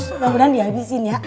semoga mudah dihabisin ya